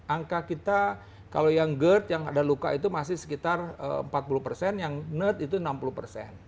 angka kita kalau yang gerd yang ada luka itu masih sekitar empat puluh persen yang nurd itu enam puluh persen